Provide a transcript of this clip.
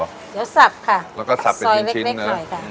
เดี๋ยวสับค่ะซอยเว็กไข่ค่ะแล้วก็สับเป็นชิ้นเนอะ